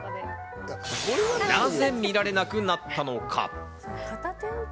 なぜ見られなくなったのか？